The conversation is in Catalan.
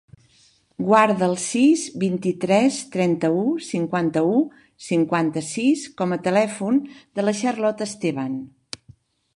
Guarda el sis, vint-i-tres, trenta-u, cinquanta-u, cinquanta-sis com a telèfon de la Charlotte Esteban.